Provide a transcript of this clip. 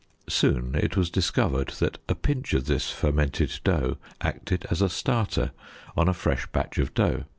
Soon it was discovered that a pinch of this fermented dough acted as a starter on a fresh batch of dough.